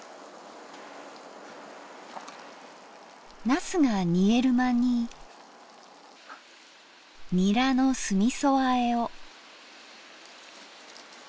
なすが煮える間にニラの酢みそあえを。